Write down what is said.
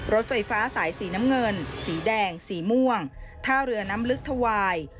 รถไฟฟ้าสายสีน้ำเงินสีแดงสีม่วงท่าเรือน้ำลึกถวาย